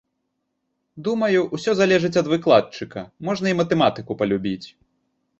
Думаю, усё залежыць ад выкладчыка, можна і матэматыку палюбіць.